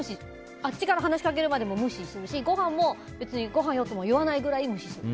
あっちから話しかけるまで無視するしごはんも、別に呼ばないくらい無視する。